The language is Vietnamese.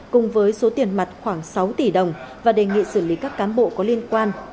cùng với số tiền mặt khoảng sáu tỷ đồng và đề nghị xử lý các cán bộ có liên quan